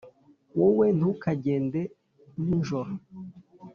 Wowe ntukagende ninjoro